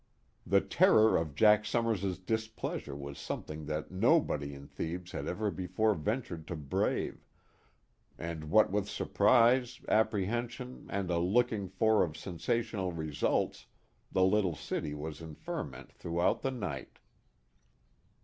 The terror of Jack Summers's displeasure was something that nobody in Thebes had ever before ventured to brave, and what with surprise, apprehension, and a looking for of sensational results, the little city was in a ferment throughout the night.